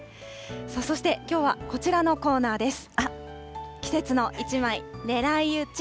そして、きょうはこちらのコーナーです。